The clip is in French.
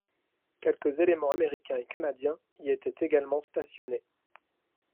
Quelques éléments américains et canadiens y étaient également stationnés.